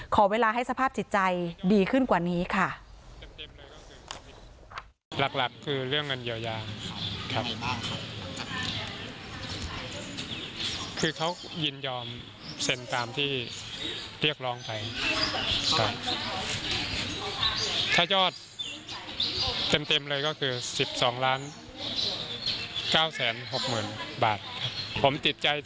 ขอเวลาให้สภาพจิตใจดีขึ้นกว่านี้ค่ะ